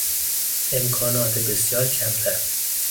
امکانات بسیار کمتر